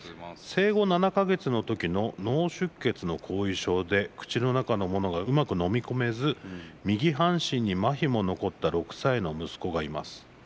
「生後７か月の時の脳出血の後遺症で口の中のものがうまく飲み込めず右半身に麻痺も残った６歳の息子がいます。